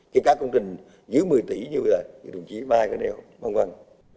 các công trình giữ một mươi tỷ như vậy thì đồng chí vai con đều